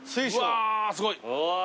うわすごい。